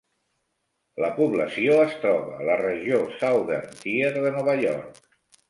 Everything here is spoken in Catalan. La població es troba a la regió Southern Tier de Nova York.